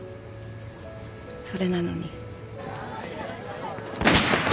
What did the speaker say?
それなのに。